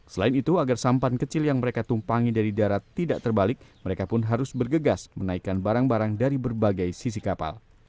selain itu agar sampan kecil yang mereka tumpangi dari darat tidak terbalik mereka pun harus bergegas menaikkan barang barang dari berbagai sisi kapal